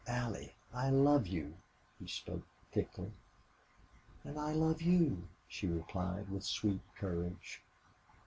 "Allie, I love you!" He spoke thickly. "And I love you," she replied, with sweet courage.